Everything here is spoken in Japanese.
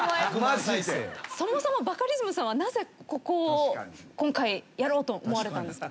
そもそもバカリズムさんはなぜここを今回やろうと思われたんですか？